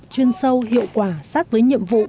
chuyên sâu hiệu quả sát với nhiệm vụ